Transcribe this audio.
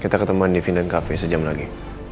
kita ketemuan di vinden cafe sejam lagi